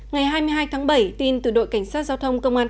ngày hai mươi hai tháng bảy tin từ đội cảnh sát giao thông công an thành phố tâm